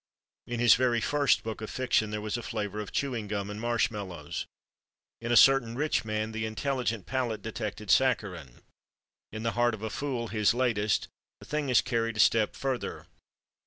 In his very first book of fiction there was a flavor of chewing gum and marshmallows. In "A Certain Rich Man" the intelligent palate detected saccharine. In "In the Heart of a Fool," his latest, the thing is carried a step further.